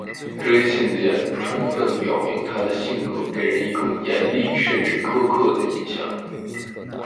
这些信件充分表明他的性格给人一种严厉甚至苛刻的印象。